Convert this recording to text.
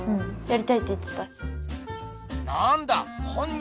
なんだ！